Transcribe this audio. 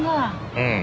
うん。